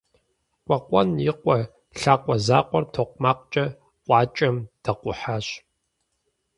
Къуэкъуэн и къуэ лъакъуэ закъуэр токъумакъкӏэ къуакӏэм дакъухьащ.